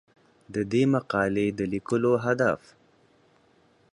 د دې مقالې د لیکلو هدف